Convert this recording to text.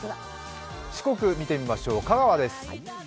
四国見てみましょう、香川です。